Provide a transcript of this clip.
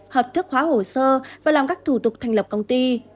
hợp thức hóa hồ sơ và làm các thủ tục thành lập công ty